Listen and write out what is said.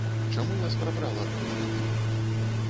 Чаму вас прабрала на настальгію?